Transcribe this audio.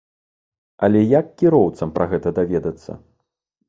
Але як кіроўцам пра гэта даведацца?